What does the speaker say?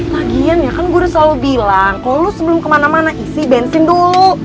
lagian ya kan guru selalu bilang kok lu sebelum kemana mana isi bensin dulu